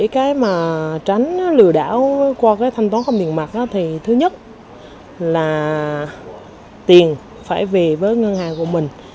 chị trâm nói là tiền phải về với ngân hàng của mình